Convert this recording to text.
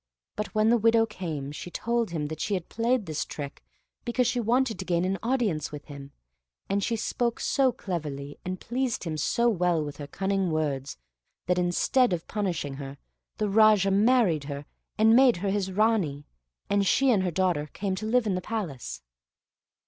But when the widow came, she told him that she had played this trick because she wanted to gain an audience with him; and she spoke so cleverly, and pleased him so well with her cunning words, that instead of punishing her, the Raja married her, and made her his Ranee, and she and her daughter came to live in the palace.